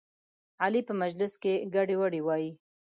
علي په مجلس کې ګډې وډې وایي.